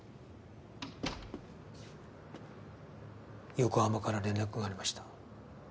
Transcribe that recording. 横浜から連絡がありました。